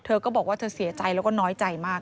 เธอก็บอกว่าเธอเสียใจแล้วก็น้อยใจมาก